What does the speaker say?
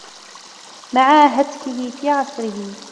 مَعَ هَتْكِهِ فِي عَصْرِهِ